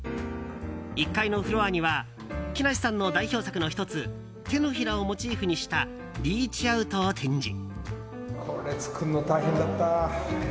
１階のフロアには木梨さんの代表作の１つ手のひらをモチーフにした「ＲＥＡＣＨＯＵＴ」を展示。